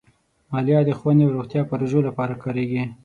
مالیه د ښوونې او روغتیا پروژو لپاره کارېږي.